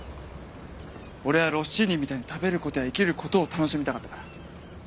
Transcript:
俺はロッシーニみたいに食べることや生きることを楽しみたかったから。